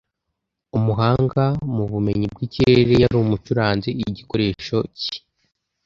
umuhanga mu bumenyi bw'ikirere yari umucuranzi igikoresho ki